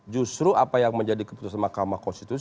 justru apa yang menjadi keputusan mahkamah konstitusi